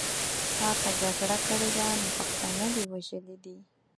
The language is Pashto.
تا که جګړه کړې ده نو پښتانه دې وژلي دي.